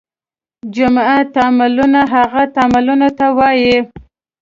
جمعي تعاملونه هغه تعاملونو ته وایي.